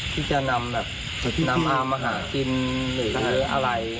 ที่จะนำอาร์มมาหากินหรืออะไร